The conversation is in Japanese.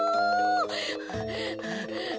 はあはあはあ。